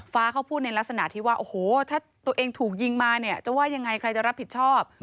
ฟ้าเขาพูดในลักษณะที่ว่าโอ้โหถ้าตัวเองถูกยิงมาเนี่ยจะว่ายังไงใครจะรับผิดชอบ